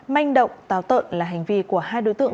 manh động táo tợn là hành vi của hai đối tượng